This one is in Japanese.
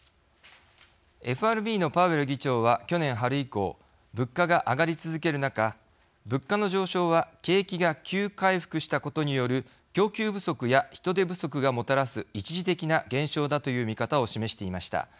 ＦＲＢのパウエル議長は去年春以降物価が上がり続ける中「物価の上昇は景気が急回復したことによる供給不足や人手不足がもたらす一時的な現象だ」という見方を示していました。